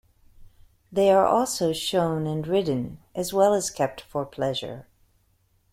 They are also shown and ridden, as well as kept for pleasure.